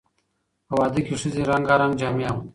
په واده کې ښځې رنګارنګ جامې اغوندي.